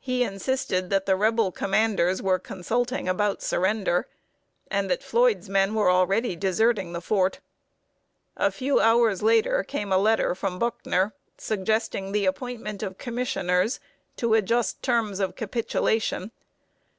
He insisted that the Rebel commanders were consulting about surrender, and that Floyd's men were already deserting the fort. A few hours later came a letter from Buckner, suggesting the appointment of commissioners to adjust terms of capitulation.